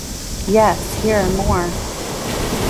Yes, here are more!